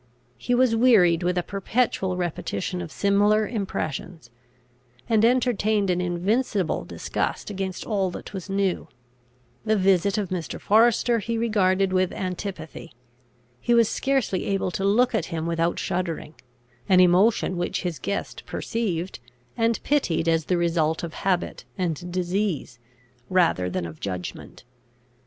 He was wearied with a perpetual repetition of similar impressions; and entertained an invincible disgust against all that was new. The visit of Mr. Forester he regarded with antipathy. He was scarcely able to look at him without shuddering; an emotion which his guest perceived, and pitied as the result of habit and disease, rather than of judgment.